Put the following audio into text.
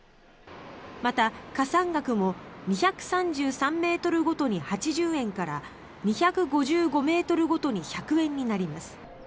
また加算額も２３３ｍごとに８０円から２５５ｍごとに１００円になります。